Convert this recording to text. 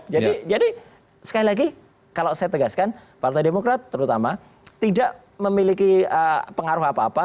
jadi sekali lagi kalau saya tegaskan partai demokrat terutama tidak memiliki pengaruh apa apa